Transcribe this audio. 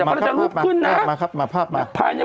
ก็จะลูบขึ้นนะมาครับมามาภาพมา